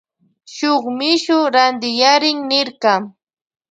Shuk mishu rantiyarin nirka.